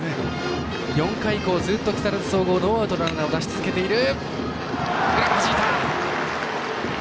４回以降、ずっと木更津総合ノーアウトランナーを出し続けている。